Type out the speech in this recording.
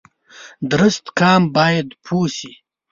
درست قام باید پوه شي